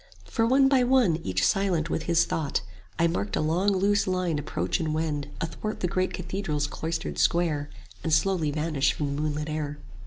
For one by one, each silent with his thought, I marked a long loose line approach and wend Athwart the great cathedral's cloistered square, 5 And slowly vanish from the moonlit air.